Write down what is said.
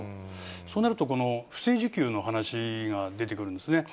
そうなると、不正受給の話が出てくるんですね。